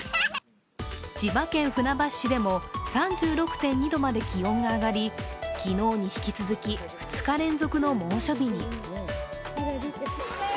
千葉県船橋市でも３６．２度まで気温が上がり昨日に引き続き、２日連続の猛暑日に。